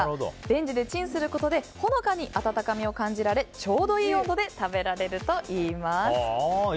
レンジでチンすることでほのかに温かみを感じられちょうどいい温度で食べられるといいます。